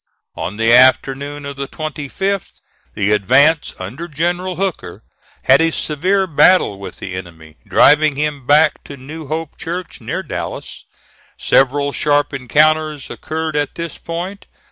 On the afternoon of the 25th, the advance, under General Hooker, had a severe battle with the enemy, driving him back to New Hope Church, near Dallas. Several sharp encounters occurred at this point.